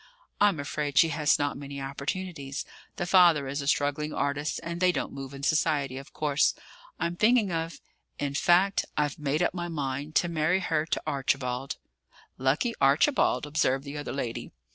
"I'm afraid she has not many opportunities; the father is a struggling artist and they don't move in society, of course. I'm thinking of in fact, I've made up my mind to marry her to Archibald." "Lucky Archibald!" observed the other lady.